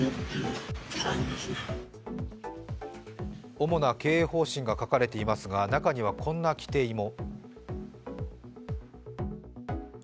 主な経営方針が書かれていますが、中にはこんな規定も。